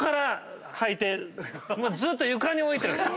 ずっと床に置いてる。